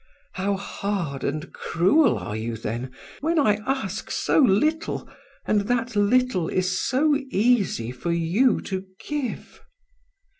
How hard and cruel are you then, when I ask so little and that little is so easy for you to give!